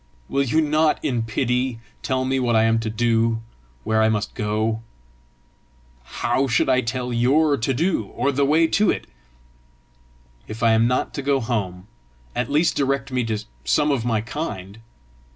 "Will you not in pity tell me what I am to do where I must go?" "How should I tell YOUR to do, or the way to it?" "If I am not to go home, at least direct me to some of my kind."